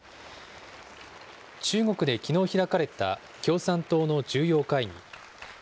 中国できのう開かれた共産党の重要会議。